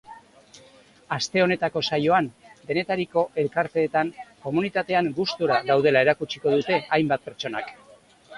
Aste honetako saioan, denetariko elkarteetan komunitatean gustura daudela erakutsiko dute hainbat pertsonak.